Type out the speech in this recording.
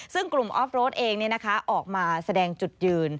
ซึ่งกลุ่มออฟโรดเองออกมาแสดงจุดยืน